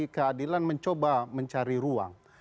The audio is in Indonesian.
keadilan mencoba mencari ruang